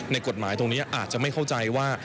กฎหมายตรงนี้อาจจะไม่เข้าใจว่า